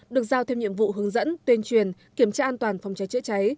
được giao thêm nhiệm vụ hướng dẫn tuyên truyền kiểm tra an toàn phòng cháy chữa cháy